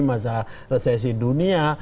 masalah resesi dunia